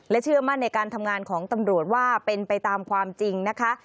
เชื่อมั่นในการทำงานของตำรวจว่าเป็นไปตามความจริงนะคะ